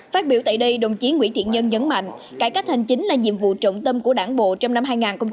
phát biểu tại đây đồng chí nguyễn thiện nhân nhấn mạnh cải cách hành chính là nhiệm vụ trọng tâm của đảng bộ trong năm hai nghìn hai mươi